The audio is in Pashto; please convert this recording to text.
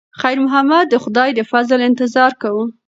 خیر محمد د خدای د فضل انتظار کاوه.